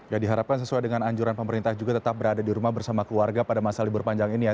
ya diharapkan sesuai dengan anjuran pemerintah juga tetap berada di rumah bersama keluarga pada masa libur panjang ini ya